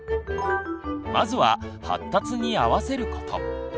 まずは「発達に合わせること」。